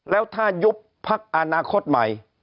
แล้วถ้ายุบพักอนาคตใหม่